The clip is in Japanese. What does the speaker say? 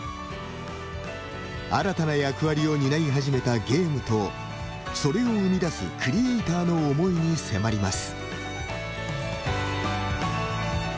新たな役割を担い始めたゲームとそれを生み出すクリエーターの思いに迫ります。